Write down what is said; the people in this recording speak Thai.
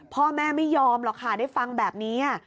พ่อแม่ไม่ยอมหรอกค่ะได้ฟังแบบนี้